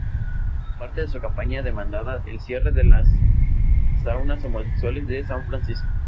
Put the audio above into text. Parte de su campaña demandaba el cierre de las saunas homosexuales de San Francisco.